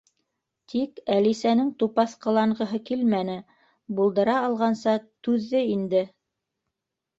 Тик Әлисәнең тупаҫ ҡыланғыһы килмәне, булдыра алғанса түҙҙе инде.